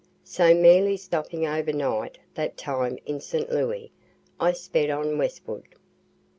So merely stopping over night that time in St. Louis, I sped on westward.